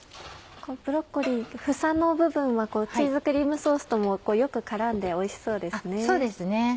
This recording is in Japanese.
ブロッコリー房の部分はチーズクリームソースともよく絡んでおいしそうですね。